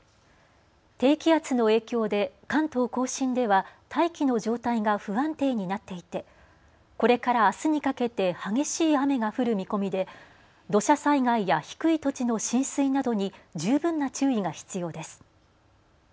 低気圧の影響で関東甲信では大気の状態が不安定になっていてこれからあすにかけて激しい雨が降る見込みで土砂災害や低い土地の浸水などに十分な注意が必要です。